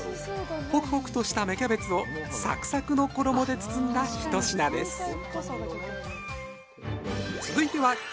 ホクホクとした芽キャベツをサクサクの衣で包んだ１品です